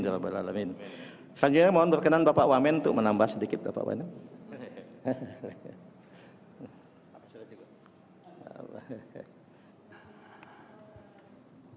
selanjutnya mohon berkenan bapak wamen untuk menambah sedikit bapak wamen